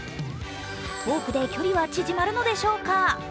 トークで距離は縮まるのでしょうか。